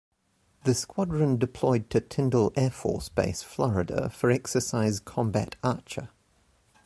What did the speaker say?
The squadron deployed to Tyndall Air Force Base, Florida, for exercise Combat Archer.